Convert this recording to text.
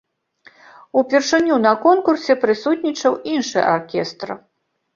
Упершыню на конкурсе прысутнічаў іншы аркестр.